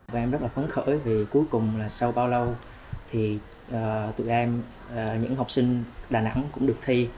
tụi em rất là phấn khởi vì cuối cùng là sau bao lâu thì tụi em những học sinh đà nẵng cũng được thi